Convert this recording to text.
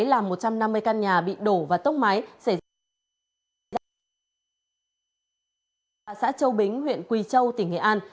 trận lốc xoáy làm một trăm năm mươi căn nhà bị đổ và tốc máy xảy ra vào xã châu bính huyện quỳ châu tỉnh nghệ an